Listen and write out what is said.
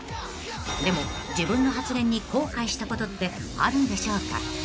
［でも自分の発言に後悔したことってあるんでしょうか］